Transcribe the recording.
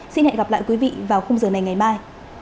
xin hẹn gặp lại quý vị vào khung giờ này ngày mai